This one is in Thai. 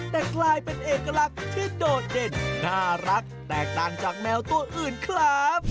แต่กลายเป็นเอกลักษณ์ที่โดดเด่นน่ารักแตกต่างจากแมวตัวอื่นครับ